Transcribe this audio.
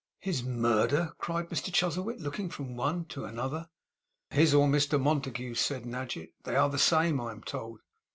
'HIS murderer!' cried Mr Chuzzlewit, looking from one to another. 'His or Mr Montague's,' said Nadgett. 'They are the same, I am told.